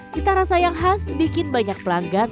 cita rasa yang khas bikin banyak pelanggan